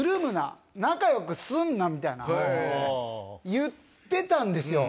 言ってたんですよ。